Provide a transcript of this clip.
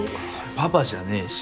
パパじゃねぇし。